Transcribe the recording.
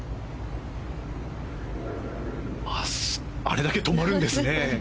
あれだけ止まるんですね。